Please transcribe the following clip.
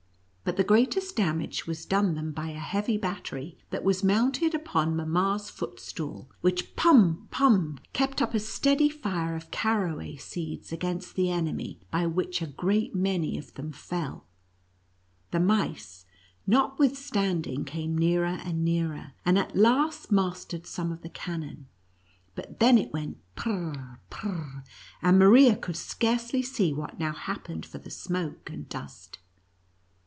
But the greatest damage was done them by a heavy battery that was mounted upon mamma's footstool, which — pum, puni — kept up a steady fire of caraway seeds against the enemy, by which a great many of them fell. The mice, notwithstanding, came nearer and nearer, and at last mastered some of the cannon, but then it went prr — prr — and Maria could scarcely see what now happened for the smoke and dust.